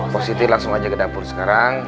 positif langsung aja ke dapur sekarang